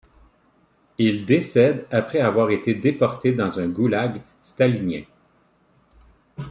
Il décède après avoir été déporté dans un goulag stalinien.